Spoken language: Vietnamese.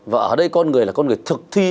và ở đây con người là con người thực thi